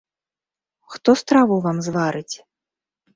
Хто страву вам зварыць?